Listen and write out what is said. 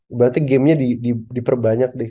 ibaratnya gamenya diperbanyak deh